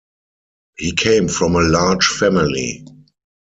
He came from a large family.